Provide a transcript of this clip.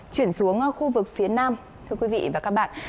chuyển xuống khu vực phía nam thưa quý vị và các bạn